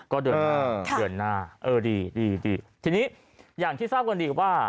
ก็เดือนหน้าเออดีทีนี้อย่างที่ทราบกันดีกว่า